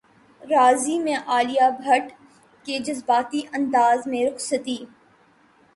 راضی میں عالیہ بھٹ کی جذباتی انداز میں رخصتی